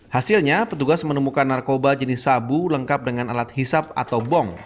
hasilnya petugas menemukan narkoba jenis sabu lengkap dengan alat hisap atau bong